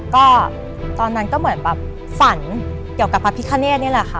ก็ตอนนั้นก็เหมือนแบบฝันเกี่ยวกับพระพิคเนธนี่แหละค่ะ